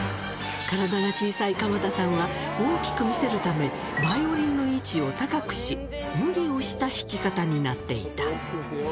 体が小さい鎌田さんは、大きく見せるため、バイオリンの位置を高くし、無理をした弾き方になっていた。